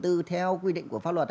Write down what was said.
chủ đầu tư theo quy định của pháp luật